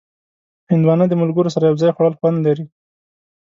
هندوانه د ملګرو سره یو ځای خوړل خوند لري.